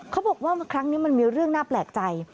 เขาบอกว่าครั้งนี้มันมีเรื่องน่าแปลกใจ